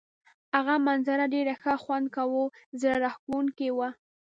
هغه منظره ډېر ښه خوند کاوه، زړه راښکونکې وه.